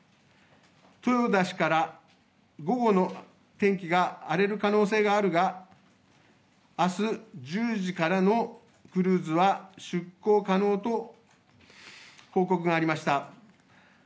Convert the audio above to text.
豊田氏から、午後の天気が荒れる可能性があるが、あす１０時からのクルーズは出航可能と報告がありました。